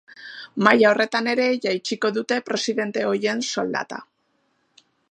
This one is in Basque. Maila horretan ere jaitsiko dute presidente ohien soldata.